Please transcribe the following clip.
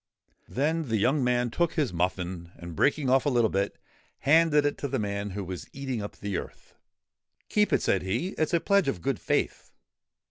' Then the young man took his muffin, and, breaking off a little bit, handed it to the man who was eating up the earth. ' Keep it,' said he ;' it 's a pledge of good faith.'